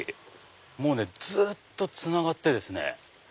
もうねずっとつながってですね。